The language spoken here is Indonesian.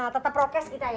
tetap prokes kita ya